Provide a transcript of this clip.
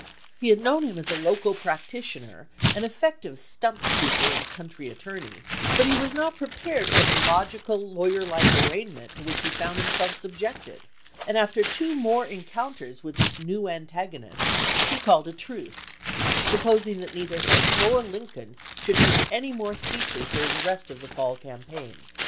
He had known him as a local practitioner and effective stump speaker and country attorney, but he was not prepared for the logical, lawyer like arraignment to which he found himself subjected, and after two more encounters with this new antagonist, he called a truce, proposing that neither he nor Lin coln should make any more speeches during the rest of the fall campaign.